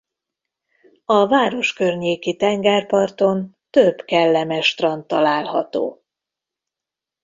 A város környéki tengerparton több kellemes strand található.